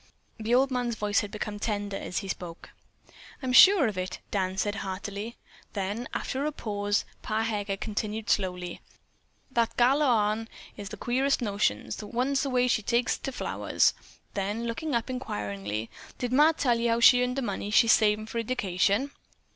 The old man's voice had become tender as he spoke. "I'm sure of it," Dan said heartily. Then, after a pause, Pa Heger continued slowly: "That gal of our'n has the queerest notions. One's the way she takes to flowers." Then, looking up inquiringly, "Did Ma tell you how she earned the money she's savin' for her iddication?"